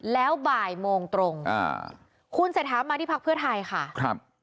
แล้วบ่ายโมงตรงคุณเสถหามาที่พคเพื่อไทยคะ